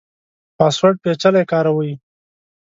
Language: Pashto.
پاسورډ پیچلی کاروئ؟